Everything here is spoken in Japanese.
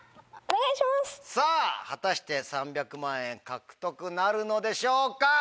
さぁ果たして３００万円獲得なるのでしょうか？